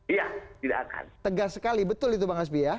iya tidak akan tegas sekali betul itu bang hasbi ya